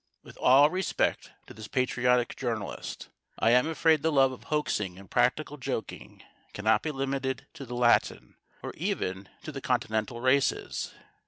With all respect to this patriotic journalist, I am afraid the love of hoaxing and practical joking cannot be limited to the Latin, or even to the Continental races.